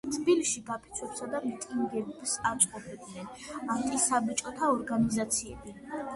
თბილისში გაფიცვებსა და მიტინგებს აწყობდნენ ანტისაბჭოთა ორგანიზაციები.